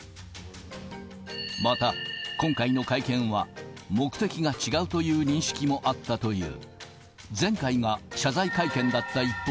また、今回の会見は目的が違うという認識もあったという。